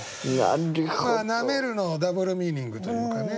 「舐める」のダブルミーニングというかね